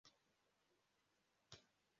Umwana muto yiga ubuhanga bwo gukurura igikoni